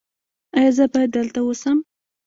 ایا زه باید دلته اوسم؟